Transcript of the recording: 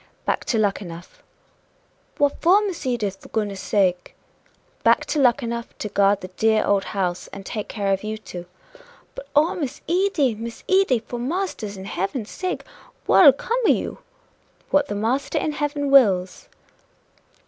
"Back to Luckenough." "What for, Miss Edith, for goodness sake?" "Back to Luckenough to guard the dear old house, and take care of you two." "But oh, Miss Edy! Miss Edy! for Marster in heaven's sake what'll come o' you?" "What the Master in heaven wills!"